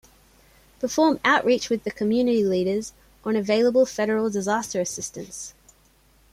Perform outreach with community leaders on available Federal disaster assistance.